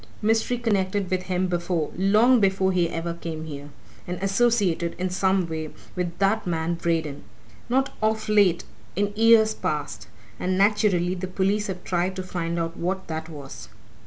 Mystery connected with him before long before he ever came here. And associated, in some way, with that man Braden. Not of late in years past. And, naturally, the police have tried to find out what that was."